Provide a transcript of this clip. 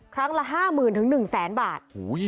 ครั้งละห้าหมื่นถึงหนึ่งแสนบาท